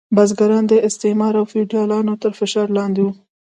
بزګران د استثمار او فیوډالانو تر فشار لاندې وو.